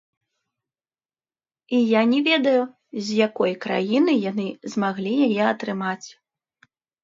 І я не ведаю, з якой краіны яны змаглі яе атрымаць.